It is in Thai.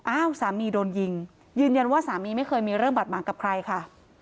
อ้าวสามีโดนยิงยืนยันว่าสามีไม่เคยมีเรื่องบาดหมางกับใครค่ะ